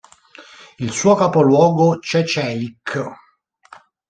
Il suo capoluogo Čečel'nyk.